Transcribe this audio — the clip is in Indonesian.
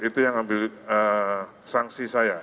itu yang ambil sanksi saya